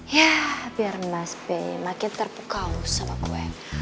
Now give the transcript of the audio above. ya biar mas b makin terpukau sama gue